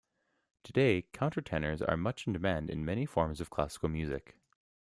Today, countertenors are much in demand in many forms of classical music.